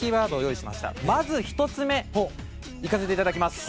まず、１つ目行かせていただきます。